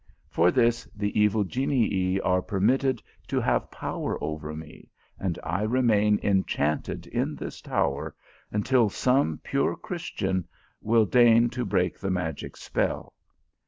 For this, the evil genii are permitted to have power over me, and I remain enchanted in this tower, until some pure Christian will deign to break the magic spell.